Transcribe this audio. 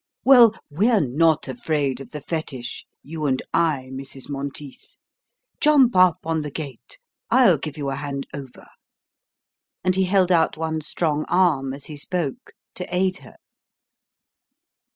Well, we're not afraid of the fetich, you and I, Mrs. Monteith. Jump up on the gate; I'll give you a hand over!" And he held out one strong arm as he spoke to aid her.